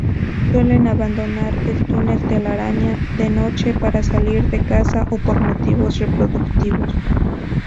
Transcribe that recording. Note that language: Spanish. Suelen abandonar el túnel-telaraña de noche, para salir de caza o por motivos reproductivos.